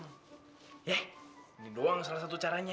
ya ini doang salah satu caranya